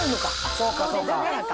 そうかそうか。